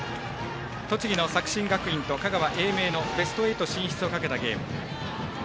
栃木の作新学院と香川・英明のベスト８進出をかけたゲーム。